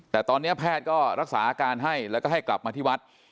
แต่ตอนนี้แพทย์ก็รักษาอาการให้แล้วก็ให้กลับมาที่วัด